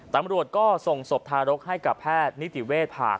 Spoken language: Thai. ตำรวจก็ส่งศพทารกให้กับแพทย์นิติเวชผ่า